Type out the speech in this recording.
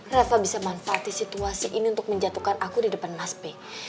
reva bisa manfaati situasi ini untuk menjatuhkan aku di depan naspe